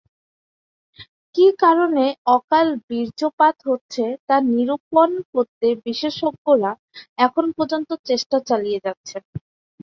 কী কারণে অকাল বীর্যপাত হচ্ছে তা নিরূপণ করতে বিশেষজ্ঞরা এখন পর্যন্ত চেষ্টা চালিয়ে যাচ্ছেন।